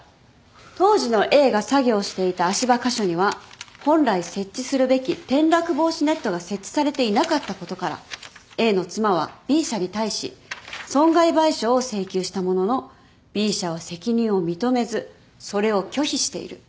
当時のＡが作業していた足場箇所には本来設置するべき転落防止ネットが設置されていなかったことからＡの妻はＢ社に対し損害賠償を請求したもののＢ社は責任を認めずそれを拒否している。